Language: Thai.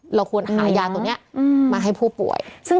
เพื่อไม่ให้เชื้อมันกระจายหรือว่าขยายตัวเพิ่มมากขึ้น